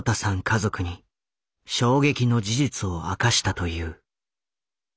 家族に衝撃の事実を明かしたという。